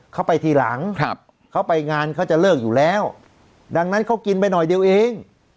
เขาไปทีหลังเขาไปงานเขาจะเลิกอยู่แล้วดังนั้นเขากินไปหน่อยเดียวเอง